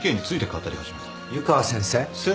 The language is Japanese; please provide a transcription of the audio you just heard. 湯川先生？